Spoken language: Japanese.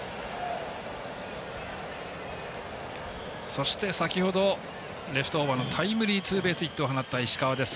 そして、先ほどレフトオーバーのタイムリースリーベースヒットを放った石川です。